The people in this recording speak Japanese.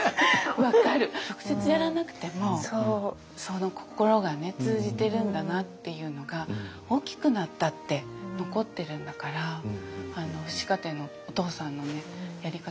直接やらなくてもその心がね通じてるんだなっていうのが大きくなったって残ってるんだから父子家庭のお父さんのねやり方